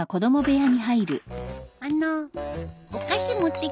あのお菓子持ってきました。